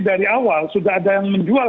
dari awal sudah ada yang menjual